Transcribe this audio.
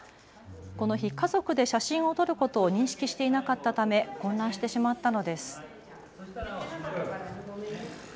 この日、家族で写真を撮ることを認識していなかったため混乱してしまったのです。